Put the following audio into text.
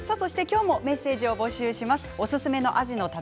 今日もメッセージを募集します。